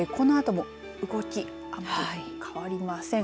このあとも動き変わりません。